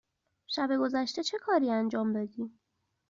شب گذشته چه کاری انجام دادی؟